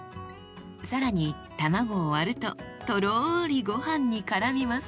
更に卵を割るととろりごはんにからみます。